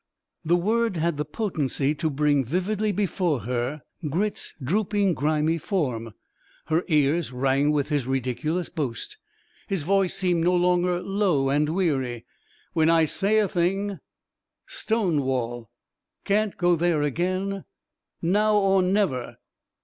The word had the potency to bring vividly before her Grit's drooping, grimy form. Her ears rang with his ridiculous boast. His voice seemed no longer low and weary. "When I say a thing ... stone wall. Can't go there again now or never."